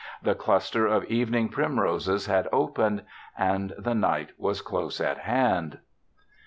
The cluster of evening primroses had opened and the night was close at hand.'